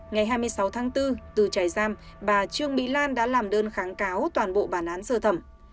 ngày hai mươi sáu tháng bốn từ trại giam bà trương mỹ lan đã làm đơn kháng cáo toàn bộ bản án sơ thẩm